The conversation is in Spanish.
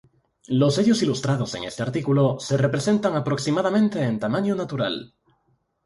Los sellos ilustrados en este artículo se representan aproximadamente en tamaño natural.